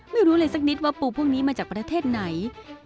ไม่รู้เลยสักนิดว่าปูพวกนี้มาจากประเทศไหน